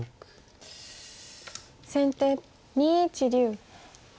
先手２一竜。